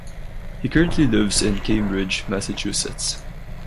He currently lives in Cambridge, Massachusetts.